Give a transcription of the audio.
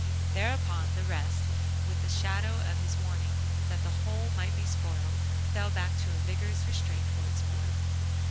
Thereupon the rest, with the shadow of his warning that the whole might be spoiled, fell back to a vigorous restraint once more.